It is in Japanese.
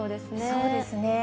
そうですね。